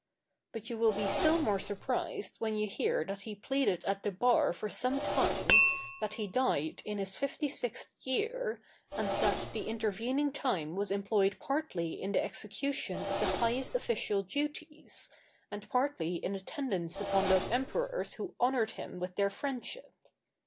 But you will be still more surprised when you hear that he pleaded at the bar for some time, that he died in his fifty sixth year, and that the intervening time was employed partly in the execution of the highest official duties, and partly in attendance upon those emperors who honored him with their friendship.